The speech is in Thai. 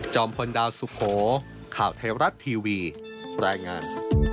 จอมพลดาวสุโขข่าวเทวรัฐทีวีแปรงงาน